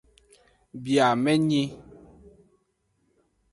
Biamenyi.